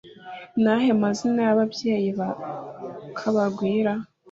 Ni ayahe mazina yababyeyi ba kabagwira